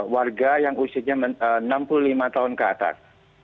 warga yang usianya enam puluh lima tahun ke atas